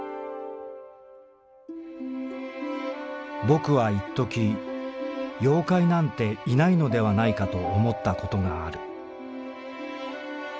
「ぼくは一時“妖怪”なんていないのではないかと思ったことがある」。